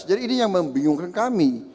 jadi ini yang membingungkan kami